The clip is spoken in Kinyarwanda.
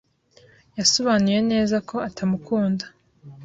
Yasobanuye neza ko atamukunda.